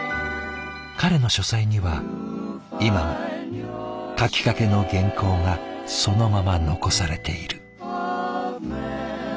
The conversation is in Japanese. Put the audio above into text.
彼の書斎には今も書きかけの原稿がそのまま残されている。